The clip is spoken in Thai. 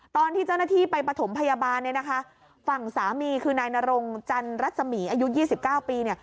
ตอนที่เจ้าหน้าที่ไปประถมพยาบาลฝั่งสามีคือนายนารงจันรัฐสมีอายุ๒๙ปี